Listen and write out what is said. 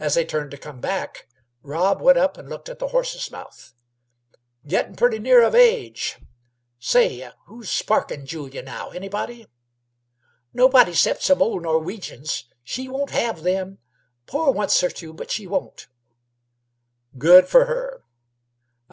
As they turned to come back, Rob went up and looked at the horse's mouth. "Gettin' purty near of age. Say, who's sparkin' Julia now anybody?" "Nobody 'cept some ol' Norwegians. She won't have them. Por wants her to, but she won't." "Good f'r her.